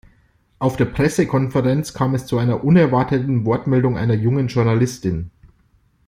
Auf der Pressekonferenz kam es zu einer unerwarteten Wortmeldung einer jungen Journalistin.